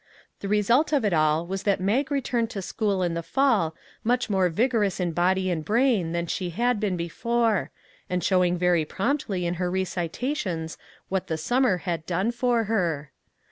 The result of it all was that Mag re turned to school in the fall much more vigorous in body and brain than she had been before, and showing very promptly in her recitations what the summer had done for her.